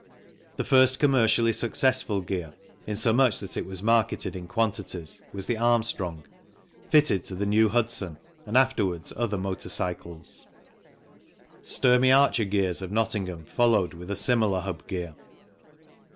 The first commercially successful gear, in so much that it was marketed in quantities, was the Armstrong, fitted to the New Hudson and afterwards other motor cycles. Sturmey Archer Gears of Nottingham followed with a similar hub gear.